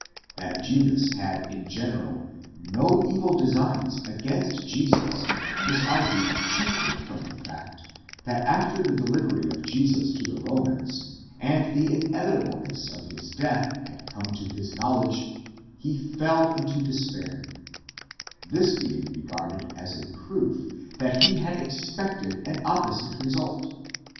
—That Judas had in general no evil designs against Jesus is argued chiefly from the fact, that after the delivery of Jesus to the Romans, and the inevitableness of his death had come to his knowledge, he fell into despair; this being re garded as a proof that he had expected an opposite result.